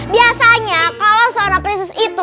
biasanya kalo seorang prinses itu